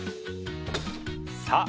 さあ